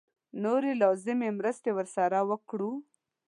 نورې لازمې مرستې ورسره وکړو.